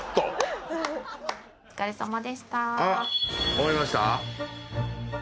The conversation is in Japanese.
終わりました？